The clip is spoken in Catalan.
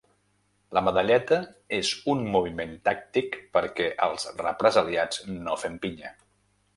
“La medalleta és un moviment tàctic perquè els represaliats no fem pinya”